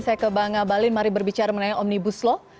saya ke banga balin mari berbicara mengenai omnibus law